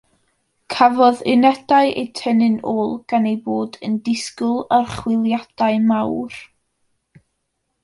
Cafodd unedau eu tynnu'n ôl gan eu bod yn disgwyl archwiliadau mawr.